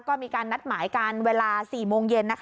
ก็มีการนัดหมายกันเวลา๔โมงเย็น